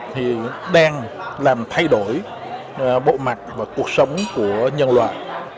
thì đang làm thay đổi bộ mặt và cuộc sống của nhân loại